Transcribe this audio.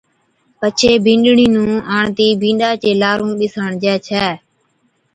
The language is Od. پڇي بِينڏڙِي نُون آڻتِي بِينڏا چي لارُون ٻِساڻجي ڇَي